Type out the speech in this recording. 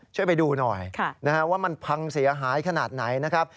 ช่วยไปดูหน่อยว่ามันพังเสียหายขนาดไหนนะครับ